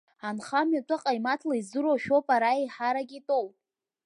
Анхамҩа атәы ҟаимаҭла издыруа шәоуп ара еиҳарак итәоу.